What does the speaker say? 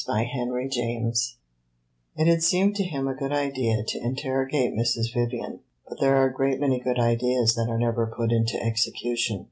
CHAPTER X It had seemed to him a good idea to interrogate Mrs. Vivian; but there are a great many good ideas that are never put into execution.